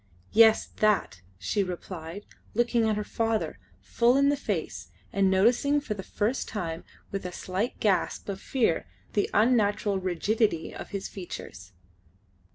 "Yes, that!" she replied, looking her father full in the face and noticing for the first time with a slight gasp of fear the unnatural rigidity of his features.